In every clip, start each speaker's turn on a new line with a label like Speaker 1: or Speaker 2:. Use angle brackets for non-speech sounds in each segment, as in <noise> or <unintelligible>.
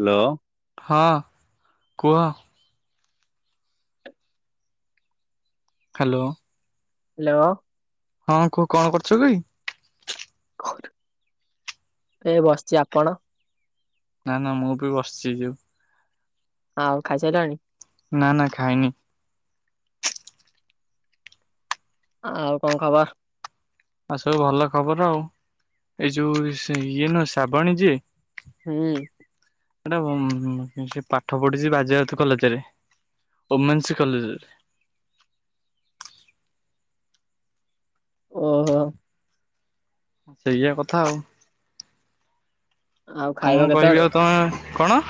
Speaker 1: Hello
Speaker 2: ହଁ କୁହ। Hello.
Speaker 1: Hello.
Speaker 2: ହଁ କୁହ କଣ କରୁଛ କି?
Speaker 1: ଏ ବସଚି। ଆପଣ?
Speaker 2: ନା ନା ମୁଁ ବି ବସଚି ଯୋଉ
Speaker 1: ଆଉ ଖାଇସାଇଲଣି?
Speaker 2: ନା ନା ଖାଇନି।
Speaker 1: ଆଉ କଣ ଖବର୍?
Speaker 2: ଆଉ ସବୁ ଭଲ ଖବର। ଆଉ ଏଇ ଯୋଉ ସେ ଇଏ ନୁହଁ ଶ୍ରାବଣୀ ଯିଏ
Speaker 1: ହୁଁ।
Speaker 2: ଏଟା ଉମ୍ ହୁଁ ହୁଁ ସେ ପାଠ ପଢିଚି ବାଜୟତ କଲେଜରେ ଓମେନ୍ସ କଲେଜରେ।
Speaker 1: ଓହୋ।
Speaker 2: ସେଇଆ କଥା ଆଉ।
Speaker 1: ଆଉ ଖାଇବ
Speaker 2: କଣ
Speaker 1: କେତେବେଳେ?
Speaker 2: କହିବି ଆଉ ତମେ କଣ?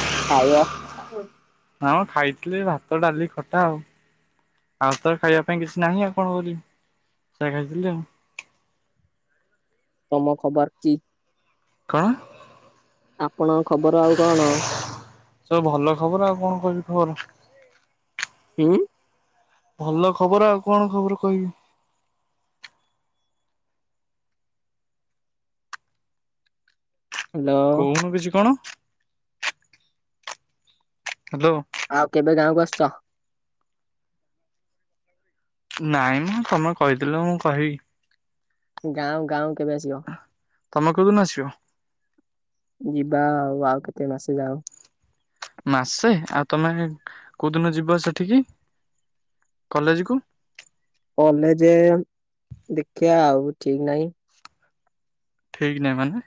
Speaker 1: <unintelligible>
Speaker 2: ହଁ ଖାଇଥିଲି ଭାତ ଡାଲି ଖଟା ଆଉ ଆଉ ତର ଖାଇବା ପାଇଁ କିଛି ନାହିଁ ଆଉ କଣ କରିବି? ସେଇଆ ଖାଇଥିଲି ଆଉ
Speaker 1: ତମ ଖବର କି?
Speaker 2: କଣ?
Speaker 1: ଆପଣଙ୍କ ଖବର ଆଉ କଣ?
Speaker 2: ସବୁ ଭଲ ଖବର। ଆଉ କଣ କହିବି ଖବର?
Speaker 1: ଉଁ।
Speaker 2: ଭଲ ଖବର। ଆଉ କଣ ଖବର କହିବି?
Speaker 1: ହ୍ୟାଲୋ
Speaker 2: କହୁନୁ କିଛି କଣ? ହ୍ୟାଲୋ।
Speaker 1: ଆଉ କେବେ ଗାଁକୁ ଆସୁଚ?
Speaker 2: ନାଇଁ ମୁଁ ତମେ କହିଥିଲ ମୁଁ କହିବି।
Speaker 1: ଗାଁଉ ଗାଉଁ କେବେ ଆସିବ?
Speaker 2: ତମେ କୋଉଦିନ ଆସିବ?
Speaker 1: ଯିବା ଆଉ ଆଉ କେତେ ମାସେ ଯାଉ।
Speaker 2: ମାସେ ଆଉ ତମେ କୋଉଦିନ ଯିବ ସେଠିକି? କଲେଜକୁ।
Speaker 1: କଲେଜ ଦେଖିବା ଆଉ ଠିକ ନାହିଁ।
Speaker 2: ଠିକ ନାହିଁ ମାନେ?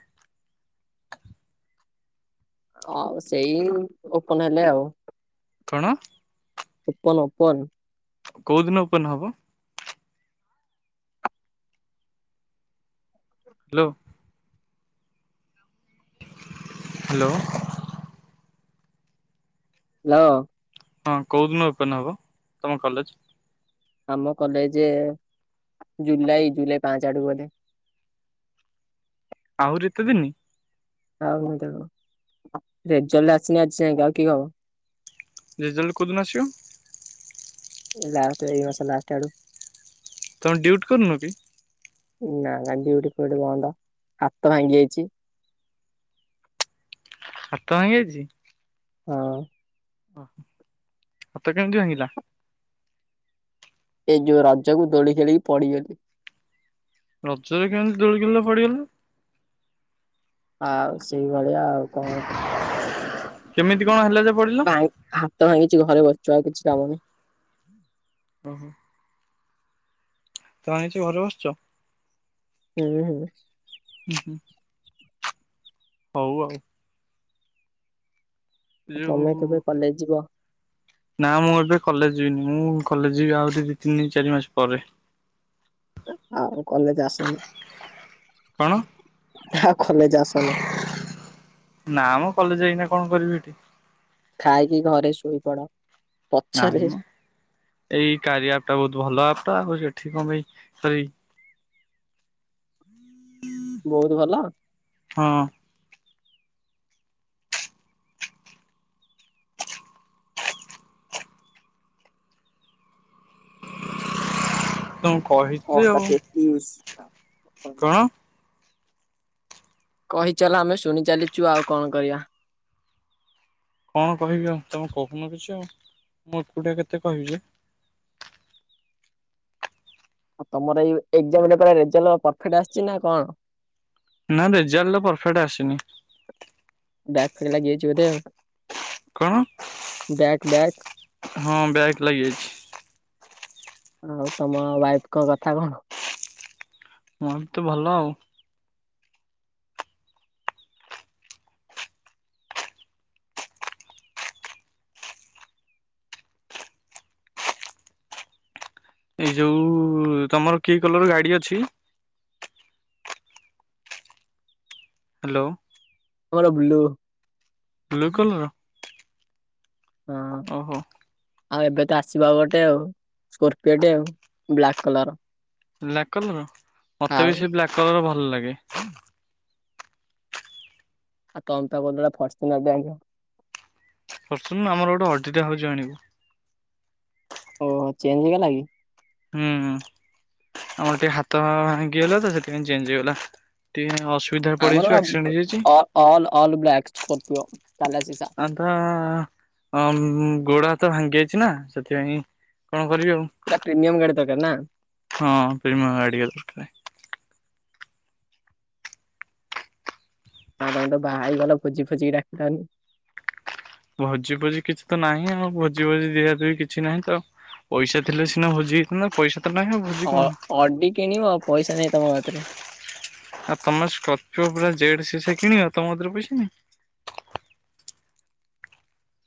Speaker 1: ହଉ ସେଇ ଓପନ ହେଲେ ଆଉ।
Speaker 2: କଣ?
Speaker 1: Open open.
Speaker 2: କୋଉ ଦିନ ଓପେନ୍ ହବ? ହ୍ୟାଲୋ। ହାଲୋ।
Speaker 1: ହାଲୋ।
Speaker 2: ହଁ କୋଉ ଦିନ ଓପେନ ହବ ତମ କଲେଜ?
Speaker 1: ଆମ କଲେଜ ଜୁଲାଇ ଜୁଲାଇ ପାଞ୍ଚ ଆଡକୁ ଗଲେ
Speaker 2: ଆହୁରି ଏତେ ଦିନି?
Speaker 1: ଆଉ ମୁଁ <unintelligible> ରେଜଲ୍ଟ ଆସିନି ଆଜି ଯାଇଁକା ଆଉ କି ହବ।
Speaker 2: ରେଜଲ୍ଟ କୋଉଦିନ ଆସିବ?
Speaker 1: ଲାଷ୍ଟ ଏଇ ମାସ ଲାଷ୍ଟ ଆଡୁ।
Speaker 2: ତମେ ଡି୍ୟୁଟି କରୁନ କି?
Speaker 1: ନା କା ଡିଉଠି କଉଠି ବନ୍ଦ ହାତ ଭାଙ୍ଗି ଯାଇଛି।
Speaker 2: ହାତ ଭଇ ଯାଇଛି।
Speaker 1: ହଁ।
Speaker 2: ଓହୋ ହତ କେମିତି ଭାଙ୍ଗିଲା?
Speaker 1: ଏ ଯେଉଁ ରାଜ୍ୟକୁ ଦୋଳି ଖେଳି ପଡ଼ିଗଲି।
Speaker 2: ରଜରେ କେମତି ଦୋଳ କିଲା ପଡିଗଲା।
Speaker 1: ଆଉ ସେଇ ଭଳିଆ ଆଉ କଣ।
Speaker 2: କେମିତି କଣ ହେଲା ଯେ ପଡିଲ?
Speaker 1: ନାଇଁ ହାତ ଭାଙ୍ଗିଚି। କିଛି ଘରେ ବସିଛୁ ଆଉ କିଛି କାମନି।
Speaker 2: ହହ। ହାତ ଭାଗିଚି ଘରେ ବସଛ।
Speaker 1: ହୁଁ ହୁଁ।
Speaker 2: ହୁଁ ହୁଁ। ହଉ ଆଉ।
Speaker 1: ଆଉ ତମେ
Speaker 2: ଯୋଉ
Speaker 1: କେବେ କଲେଜ ଯିବ।
Speaker 2: ନା ମୁଁ ଏବେ କଲେଜ ଯିବିନି ମୁଁ କଲେଜ ଯିବି ଆହୁରି ଦି ତିନି ଚାରି ମାସ ପରେ।
Speaker 1: ଆଉ କଲେଜ
Speaker 2: କଣ
Speaker 1: ଆସନ୍ତୁ। ଆ କଲେ ଯ ଆସ ନା।
Speaker 2: ନା ମୁ କଲେଜ ଯାଇକିନା କଣ କରିବି ଏଠି।
Speaker 1: ଖାଇକି ଘରେ ଶୋଇପଡ। ପଛରେ
Speaker 2: ନାଇଁ ଏଇ କାରିୟର ଟା ବହୁତ ଭଲ। ଟଛି ଏଠି କଣ ପାଇଁ କରି।
Speaker 1: ବହୁତ ଭଲ।
Speaker 2: ତମ କହିଥିଲି
Speaker 1: ଛଅଟା
Speaker 2: ଆଉ।
Speaker 1: ତେତିଶ।
Speaker 2: କଣ?
Speaker 1: କହିଚଲ ଆମେ ଶୁଣି ଚାଲିଛୁ ଆଉ କଣ କରିବା?
Speaker 2: କଣ କହିବି ଆଉ ତମେ କହୁନ କିଛି ଆଉ ମୁଁ ଏକୁଟିଆ କେତେ କହିବି ଯେ
Speaker 1: <inaudible> ଆଉ ତମର ଏଇ ଏଜାମ ରେଜଲ୍ ପରଫେକ୍ଟ ଆସିଛି ନା କଣ?
Speaker 2: ନା ରେଜଲ୍ଟ ପରଫେକ୍ଟ ଆସିନି
Speaker 1: ବଗ ଫେକ ଗିଛି ବଧ
Speaker 2: କଣ
Speaker 1: ବ୍ୟାକ୍
Speaker 2: ହଁ ବ୍ୟାଗ ଲାଗି ଯାଇଛି।
Speaker 1: ଆଉ ତମ ୱାଇଫଙ୍କ କଥା କଣ?
Speaker 2: ମ ବି ତେ ଭଲ ଆଉ ଏଇ ଯୋଉ ତମର କି କଲର ଗାଡି ଅଛି ହ୍ୟାଲୋ।
Speaker 1: ମର ବୁଲୁ
Speaker 2: ବ୍ଲୁ କଲର
Speaker 1: ହଁ
Speaker 2: ଓହୋ।
Speaker 1: ଆଉ ଏବେ ତ ଆସିବ ଗୋଟେ ଆଉ ସ୍କୋପିଓ ଟେ ଆଉ ବ୍ଲାକ୍ କଲର।
Speaker 2: ବ୍ଲାକ୍ କଲର ମତେ
Speaker 1: ଆଉ
Speaker 2: ବି ସେ ବ୍ଲାକ୍ କଲର ଭଲ ଲାଗେ।
Speaker 1: ଆଉ ତମତାା କଦା ଫର୍ଚ ଦେ
Speaker 2: କରସୁନ ଆମର ଗୋଟେ ଅଟା ହଉଛି ଆଣିବୁ
Speaker 1: ଓ ଚେଞ୍ଜ ହେଇଗଲା କି?
Speaker 2: ହୁଁ। ଆମର ଟିକେ ହାତ ଭାଙ୍ଗିଗଲା ତ ସେଥିପାଇଁ ଚେଞଜ ହେଇଗଲା ଟିକେ ସୁବିଧାରେ
Speaker 1: ଆମର
Speaker 2: ପଡିଯାଇଛ ଆକ୍ସିଡେଣ୍ଟ ହେଇଯାଇଛି
Speaker 1: ଅ ଅଲ୍ ଅଲ୍ ବ୍ଲାକ୍ ସ୍କୋର୍ପିଓ ତାଲା ସିସା
Speaker 2: ଆ ହଁ ଗୋଡା ହାତ ଭାଙ୍ଗି ଯାଇଛି ନା ସେଥିପାଇଁ କଣ କରିବି ଆଉ
Speaker 1: ତୁରା ପ୍ରିମିୟମ ଗଢିତ କେ ନା
Speaker 2: ହଁ ପମ ଗାଡ଼ିଆ ଦରକାର
Speaker 1: ହ ତମେ ତ ବାହା ହେଇଗଲ ଫୋଜି ଫୋଜିିକି ଡକିଲନି
Speaker 2: ଭୋଜି ଭୋଜି କିଛି ତ ନାହିଁ ଆଉ ଭୋଜି ଭୋଜି ଦିଆ ଦୁ କିଛି ନାହିଁ ତ ଆଉ ପଇସା ଥିଲେ ସିନା ହଜି ନା ପଇସା ତ ନାହିଁ ଆଉ ଭୋଜି
Speaker 1: ଅ
Speaker 2: କଣ
Speaker 1: ଅଡି କିଣିବ ଆଉ ପଇସା ନାହିଁ ତମ ହାତରେ
Speaker 2: ଆଉ ତମର କର୍ପ ପୁରା ଜେଡ ସେ ସେ କିଣିବ ତମଧରେ ପଇସା ନି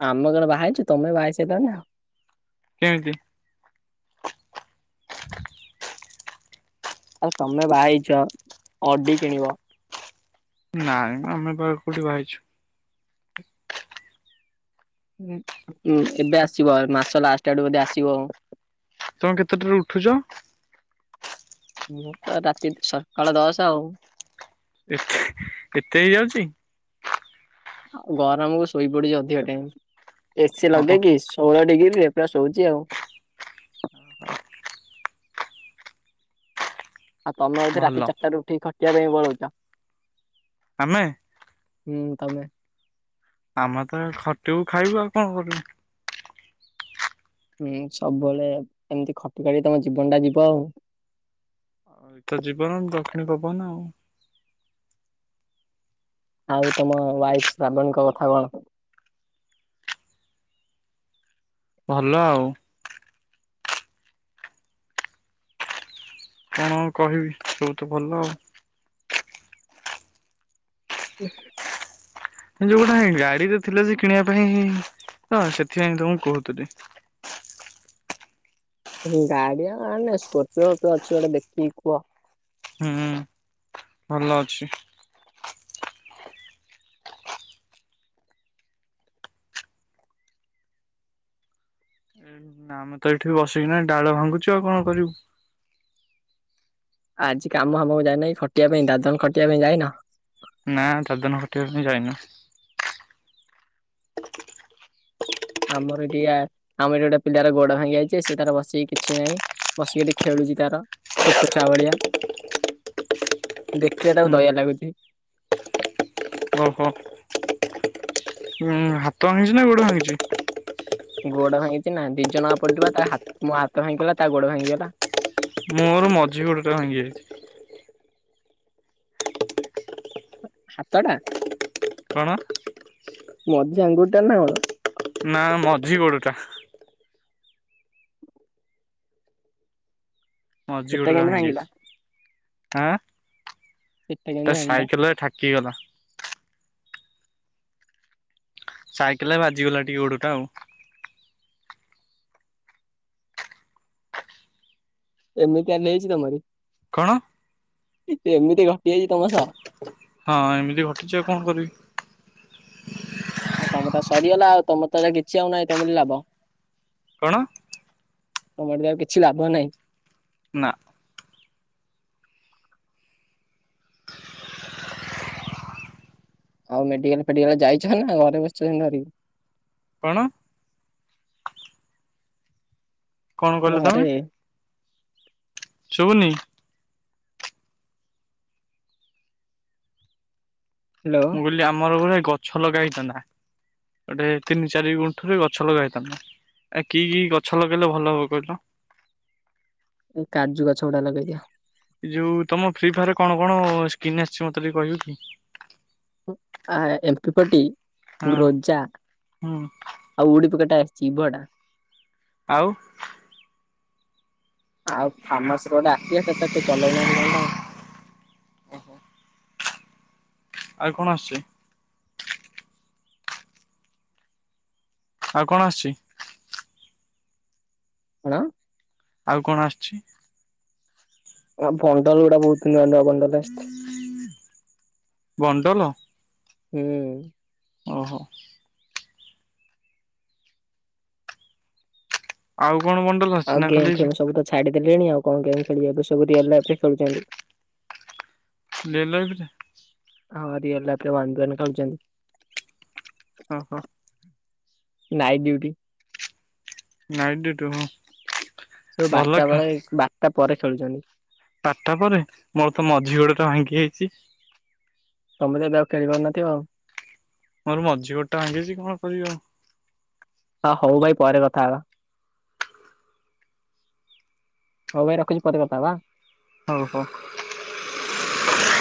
Speaker 1: ଆମ କଣ ବାହାିଛୁ ତମେ ବାହିଛ ତ ଆଉ
Speaker 2: କେମିତି
Speaker 1: ଆରେ ତମ ଭ ଇଛ ଅଡି କିଣିବ
Speaker 2: ନାଇଁ ଆମେ ବାହାର କୋଠି ବାାଇଛୁ
Speaker 1: ଁ ଏବେ ଆସିବ ମାସ ଲାଷ୍ଟ ଆଡୁ ବୋଧେ ଆସିବ ଆ
Speaker 2: ତମେ କେତେଟାରୁ ଉଠୁଛ
Speaker 1: ମୁଁ ତ ରାତି ସକାଳ ଦଶ ଆଉ
Speaker 2: ଏତେ ଏତେ ହେଇ ଯାଉଛି
Speaker 1: ଆଉ ଗରମକୁ ଶୋଇପଡୁଛି ଅଧିକ ଟାଇମ ଏସିି
Speaker 2: ଓହୋ
Speaker 1: ଲଗେଇକି ଷୋହଳ ଡିଗ୍ରୀରେ ସ ହଉଛି ଆଉ
Speaker 2: ଆଉ
Speaker 1: ଆଉ ତମେ ବୋଧେ
Speaker 2: ଭଲ
Speaker 1: ରାତି ଚାରିଟାରୁ ଉଠିକି ଖଟିବା ପାଇଁ ପଳଉଛ
Speaker 2: ଆମେ
Speaker 1: ହୁଁ ତମେ
Speaker 2: ଆମେ ତ ଖଟିବ ଖାଇବୁ ଆଉ କଣ କରିବୁ
Speaker 1: ହୁଁ ସବୁବେଳେ ଏମିତି ଖଟିକଟି ତମ ଜୀବନ ଟା ଯିବ ଆଉ
Speaker 2: ଆଉ ଏଇ ତ ଜୀବନ ଦକ୍ଷିଣୀ ପବନ ଆଉ
Speaker 1: ଆଉ ତମ ୱାଇଫ ଶ୍ରାବଣଙ୍କ କଥା କଣ
Speaker 2: ଭଲ ଆଉ କଣ କହିବି ସବୁ ତ ଭଲ ଆଉ
Speaker 1: ହୁ
Speaker 2: ଯୋଉ ଗୋଟା ଗାଡିରେ ଥିଲା ସେ କିଣିବା ପାଇଁ ହଁ ସେଥିପାଇଁ ତ ମୁଁ କହୁଥିଲଥିଲି
Speaker 1: ଗାଡିଆ ମେ ସ୍କର୍ପିଓିଓ ଅଛି ଗୋଟେ ଦେଖିକି କୁହ
Speaker 2: ହୁଁ ଭଲ ଅଛି ନା ଆମେ ତ ଏଠି ବସିକି ନାହିଁ ଡାଳ ଭାଙ୍ଗୁଛୁ ଆଉ କଣ କରିବୁ
Speaker 1: ଆଜି କାମ ହାମକୁ ଯାଇଏ ନହିଁ ଖଟିବା ପାଇଁ ଦାଦନ ଖଟିବା ପାଇଁ ଯାଇଏନ
Speaker 2: ନା ତ ଦିନ ଖଠିକ ଆି ଯାଇନା
Speaker 1: ଆମର ଏଠିଆ ଆମର ଏଠି ଗୋଟେ ପିଲାର ଗୋଡ ଭାଙ୍ଗି ଯାଇଛି ସେ ତାର ବସିକି କିଛି ନାହିଁ ବସିକିଠି ଖେଳୁଚ ତାର ଛୋଟ ଚାଉଳିଆ ଦେଖିଲେ ତାକୁ
Speaker 2: ହୁଁ
Speaker 1: ଦୟା ଲାଗୁଛି
Speaker 2: ଓହୋ ଉଁ ହାତ ଭାଙ୍ଗିଛି ନା ଗୋଡ ଭାଙ୍ଗିଛି
Speaker 1: ଗୋଡ ଭାଙ୍ଗିଛି ନା ଦି ଜଣଙ୍କା ପଡିିବା ତା ମୋ ହାତ ଭାଙ୍ଗିଗଲା ତା ଗୋଡ ଭାଙ୍ଗିଗଲା
Speaker 2: ମୋର ମଝି ଗୋଟେଟା ଭାଙ୍ଗି ଯାଇଛି
Speaker 1: ହାତଟା
Speaker 2: କଣ
Speaker 1: ମଝ ଆଙ୍ଗୁଠଟା ନାର
Speaker 2: ନା ମଝି ଗୋଡ ଟା ମଝି
Speaker 1: ସେଟା
Speaker 2: ଗୋଡରେ
Speaker 1: କେମିତି
Speaker 2: ଭାଙ୍ଗି
Speaker 1: ଭାଙ୍ଗିଲା
Speaker 2: ଯାଇଛି ଆଁ
Speaker 1: ସେଟା କେମିତି
Speaker 2: ତା
Speaker 1: ଭାଙ୍ଗିଲା
Speaker 2: ସାଇକେଲରେ ା କି ଗଲା ସାଇକେଲ ବାଜିଗଲା ଟିକେ ଗୋଡଟା ଆଉ
Speaker 1: ଏମି କାର ନହିଛି ତାର
Speaker 2: କଣ
Speaker 1: ଏତେ ଏମିତି ଘଟି ଯାଇଛି ତମ ସହ।
Speaker 2: ହଁ ଏମିତି ଘଟିଛି ଆଉ କଣ କରିବି।
Speaker 1: ଆ ତମଟା ସରିଗଲା ଆଉ ତମର ତାହେଲେ କିଛି ଆଉ ନାହିଁ ତମଠେ ଲାଭ।
Speaker 2: କଣ,
Speaker 1: ତମଠି ଆଉ କିଛି ଲାଭ ନାହିଁ।
Speaker 2: ନା,
Speaker 1: ଆଉ ମେଡିକାଲ ଫେଡିକାଲ ଯାଇଛ ନା ଘରେ ବସିଛନ୍ତି ଧରିକି।
Speaker 2: କଣ, କଣ କହିଲ
Speaker 1: ଘରେ
Speaker 2: ତମେ? ଶୁଭୁନି,
Speaker 1: ହ୍ୟାଲୋ
Speaker 2: ମୁଁ କହିଲି ଆମର ଗୁରେ ଗଛ ଲଗା ହେଇଥାନ୍ତା ଗୋଟେ ତିନି ଚାରି ଗୁଣ୍ଠରେ ଗଛ ଲଗା ହେଇଥାନ୍ତା। ଏ କି କି ଗଛ ଲଗେଇଲେ ଭଲ ହବ କହିଲ?
Speaker 1: ଏ କାଜୁ ଗଛଗୁଡା ଲଗେଇ ଦିଅ।
Speaker 2: ଏ ଯୋଉ ତମ ଫ୍ରି ଫାୟାରରେ କଣ କଣ ସ୍କିନ୍ ଆସିଛି ମତେ ଟିକେ କହିବୁ କି?
Speaker 1: ଆ ଏମ୍ପିପଟି
Speaker 2: ହଁ
Speaker 1: ଗ୍ରୋଜ୍ଜା
Speaker 2: ହୁଁ
Speaker 1: ଆଉ ଉଡ଼ି ପକେଟା ଚିବଡା।
Speaker 2: ଆଉ,
Speaker 1: ଆଉ ଫାର୍ମାସର ଗୋଟେ ଆସିଚି ଯେ ସେତେ ପି ଚଲଉନାହାନ୍ତି କଣଟା ଆଉ।
Speaker 2: ଆଉ କଣ ଆସଛି? ଆଉ କଣ ଆସୁଚି?
Speaker 1: ହେଲା।
Speaker 2: ଆଉ କଣ ଆସିଚି।
Speaker 1: ଫଣ୍ଡଲ ଗୁଡାକୁ ଉଠେଇବାନ
Speaker 2: ବଣ୍ଡଲ,
Speaker 1: ହୁଁ,
Speaker 2: ଓହୋ, ଆଉ। କଣ ବଣ୍ଡଲ ଆସୁଛି
Speaker 1: ଆଉ
Speaker 2: ନା
Speaker 1: ଗେମ୍
Speaker 2: ଖାଲି
Speaker 1: ଫେମ ସବୁତ ଛାଡି ଦେଲେଣି ଆଉ କଣ ଗେମ ଖେଲିବାକୁ ସବୁ ରି ଆମ ଆପ ଖେଳୁଛନ୍ତି।
Speaker 2: ଲେଲ ଫରେ <inaudible>
Speaker 1: ହଁ ରିଅଲ ଆପରେ ୱାନ ଡ୍ରେନ ଖେଳୁଛନ୍ତି।
Speaker 2: ଓ ହୋ,
Speaker 1: ନାଇଟ ଡ୍ୟୁଟି।
Speaker 2: ନାଇଟ ଡ୍ୟୁଟି ହଁ,
Speaker 1: ସବୁ
Speaker 2: ଭଲ
Speaker 1: ବାରଟା
Speaker 2: ଖେ
Speaker 1: ବେଳେ ବାରଟା ପରେ ଖେଳୁଛନ୍ତି।
Speaker 2: ବାରଟା ପରେ ମୋର ତ ମଝି ଗୋଡଟା ଭାଙ୍ଗି ଯାଇଛି।
Speaker 1: ତମେତାହେଲେ ଆଉ ଖେଳିପାରୁନଥିବ ଆଉ।
Speaker 2: ମୋର ମଝି ଗୋଟ ଟା ଭାଙ୍ଗିଛି କଣ କରିବ ଆଉ।
Speaker 1: ହଁ ହଉ ଭାଇ ପରେ କଥା ହେବା। ହଉ ଭାଇ ରଖୁଛି ପରେ କଥା ହେବା ଆଁ
Speaker 2: ହଉ ହଉ,